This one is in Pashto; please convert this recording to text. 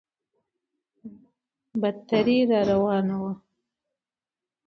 بدتري راروانه وه.